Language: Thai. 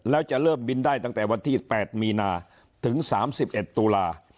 แล้วจะเริ่มบินได้ตั้งแต่วันที่๘มีนาถึง๓๑ตุลา